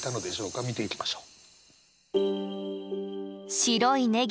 見ていきましょう。